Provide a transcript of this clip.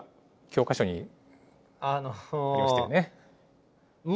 教科書にありましたよね。